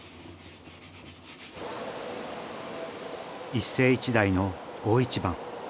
一世一代の大一番。